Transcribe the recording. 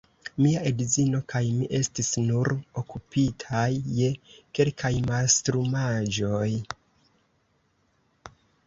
Mia edzino kaj mi estis nur okupitaj je kelkaj mastrumaĵoj.